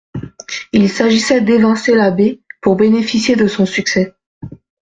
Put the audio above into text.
Il s'agissait d'évincer l'abbé pour bénéficier de son succès.